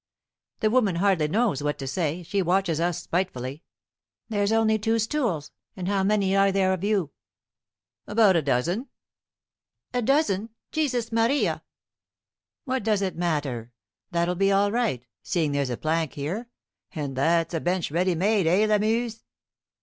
The woman hardly knows what to say; she watches us spitefully: "There's only two stools, and how many are there of you?" "About a dozen." "A dozen. Jesus Maria!" "What does it matter? That'll be all right, seeing there's a plank here and that's a bench ready made, eh, Lamuse?"